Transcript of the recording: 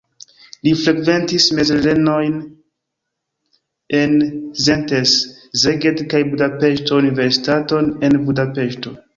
Li frekventis mezlernejojn en Szentes, Szeged kaj Budapeŝto, universitaton en Budapeŝto.